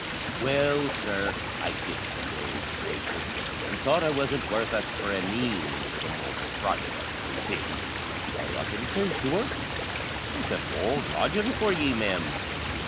Well, sir, I pitied the ould craythur, an' thought I wasn't worth a thraneen, for the mortial fright I was in, I up an' sez to her, "That's a cowld lodgin' for ye, ma'am."